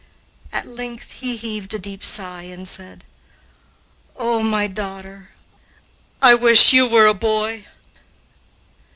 At length he heaved a deep sigh and said: "Oh, my daughter, I wish you were a boy!"